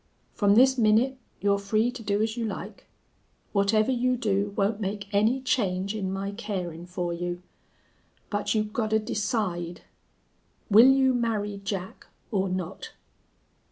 From this minnit you're free to do as you like. Whatever you do won't make any change in my carin' fer you.... But you gotta decide. Will you marry Jack or not?"